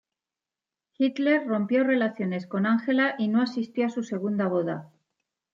Hitler rompió relaciones con Angela y no asistió a su segunda boda.